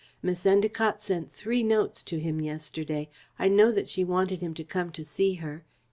Miss Endacott sent three notes to him yesterday. I know that she wanted him to come to see her.